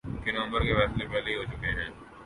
کہ نومبر کے فیصلے پہلے ہی ہو چکے ہیں۔